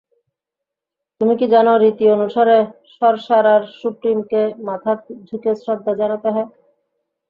তুমি কি জানো রীতি অনুসারে সর্সারার সুপ্রিমকে মাথা ঝুঁকে শ্রদ্ধা জানাতে হয়?